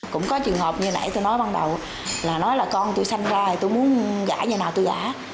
cũng có trường hợp như nãy tôi nói ban đầu là nói là con tôi sanh ra tôi muốn gã nhà nào tôi gã